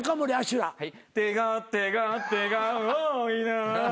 「手が手が手が多いな」